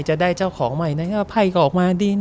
จะได้เจ้าของใหม่ถ่ายออกมาดี